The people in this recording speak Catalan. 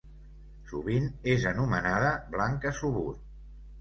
Sovint és anomenada Blanca Subur.